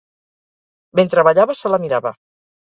Mentre ballava se la mirava.